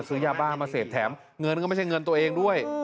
ซื้อยาบ้ามาเสพแถมเงินก็ไม่ใช่เงินตัวเองด้วย